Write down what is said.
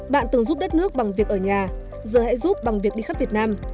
bạn từng giúp đất nước bằng việc ở nhà giờ hãy giúp bằng việc đi khắp việt nam